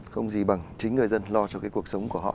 không gì bằng chính người dân lo cho cái cuộc sống của họ